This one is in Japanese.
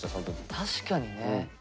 確かにね。